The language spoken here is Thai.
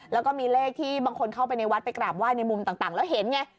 แล้วก็มีเลขที่บางคนเข้าไปในวัดไปกราบไห้ในมุมต่างแล้วเห็นไง